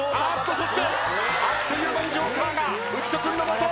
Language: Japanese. そしてあっという間にＪＯＫＥＲが浮所君の元！